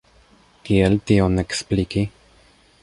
Kiel tion ekspliki?